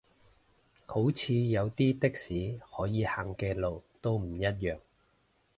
好似有啲的士可以行嘅路都唔一樣